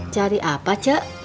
cari apa cek